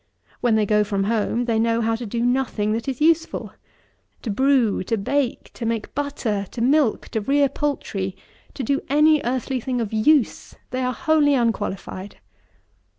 When they go from home, they know how to do nothing that is useful. To brew, to bake, to make butter, to milk, to rear poultry; to do any earthly thing of use they are wholly unqualified.